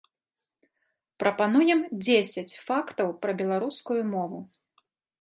Прапануем дзесяць фактаў пра беларускую мову.